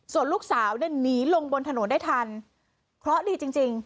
ส่วนลูกสาวเนี่ยหนีลงบนถนนได้ทันเพราะดีจริงจริง